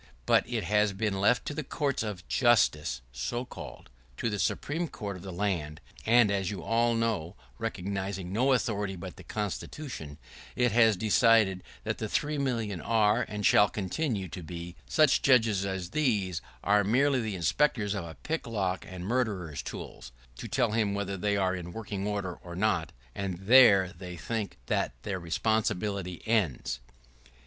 But it has been left to the courts of justice, so called — to the Supreme Court of the land — and, as you all know, recognizing no authority but the Constitution, it has decided that the three millions are and shall continue to be slaves. Such judges as these are merely the inspectors of a pick lock and murderer's tools, to tell him whether they are in working order or not, and there they think that their responsibility ends.